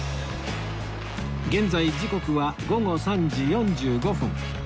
現在時刻は午後３時４５分